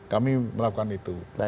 kami melakukan itu